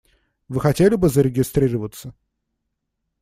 Вы хотели бы зарегистрироваться?